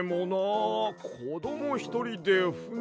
こどもひとりでふねはなあ。